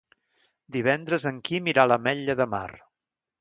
Divendres en Quim irà a l'Ametlla de Mar.